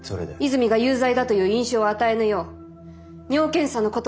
泉が有罪だという印象を与えぬよう尿検査のことは一切触れません。